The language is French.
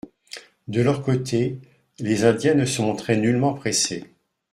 De leur côté, les Indiens ne se montraient nullement pressés.